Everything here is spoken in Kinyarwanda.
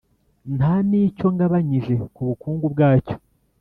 nta n’icyo ngabanyije ku bukungu bwacyo,